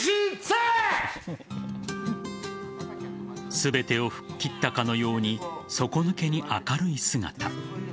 全てを吹っ切ったかのように底抜けに明るい姿。